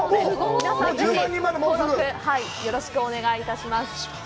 皆さんぜひ、ご登録、よろしくお願いいたします。